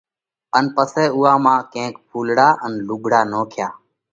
ان پسئہ اُوئا مانه ڪينڪ ڦُولڙا ان لُوگھڙا نوکيا۔